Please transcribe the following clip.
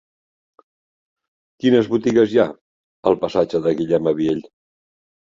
Quines botigues hi ha al passatge de Guillem Abiell?